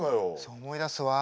思い出すわ。